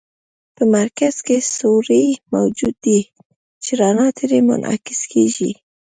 په مرکز کې سوری موجود دی چې رڼا ترې منعکسه کیږي.